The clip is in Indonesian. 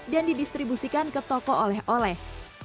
dan didistribusikan ke toko oleh oleh